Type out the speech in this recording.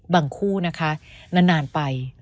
คู่นะคะนานไป